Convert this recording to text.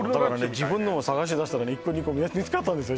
自分のを探しだしたら１個２個見つかったんですよ